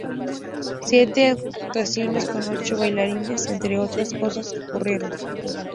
Siete actuaciones con ocho bailarines, entre otras cosas que ocurrieron.